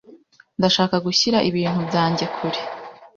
Ndashaka gushyira ibintu byanjye kure.